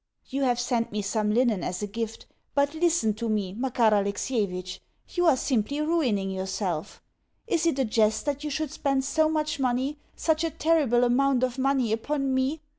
You have sent me some linen as a gift. But listen to me, Makar Alexievitch. You are simply ruining yourself. Is it a jest that you should spend so much money, such a terrible amount of money, upon me?